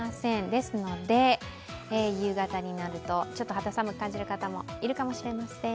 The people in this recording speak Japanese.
ですので、夕方になるとちょっと肌寒く感じる方もいるかもしれません。